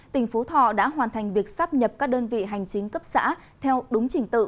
tỉnh phú thọ đã hoàn thành việc sắp nhập các đơn vị hành chính cấp xã theo đúng trình tự